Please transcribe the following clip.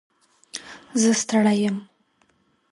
زه ستړی یم.